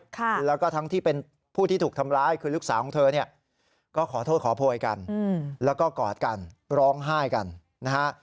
คือลูกสาวของเธอเนี่ยก็ขอโทษขอโพยกันแล้วก็กอดกันร้องไห้กันนะฮะ